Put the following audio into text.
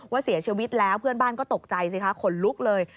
เสียชีวิตแล้วเพื่อนบ้านก็ตกใจสิคะขนลุกเลย